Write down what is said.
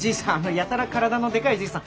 やたら体のでかいじいさん。